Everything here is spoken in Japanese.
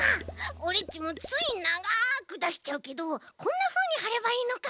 オレっちもついながくだしちゃうけどこんなふうにはればいいのか。